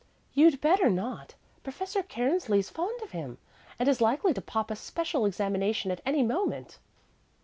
"You'd better not. Professor Cairnsley's fond of him, and is likely to pop a special examination at any moment."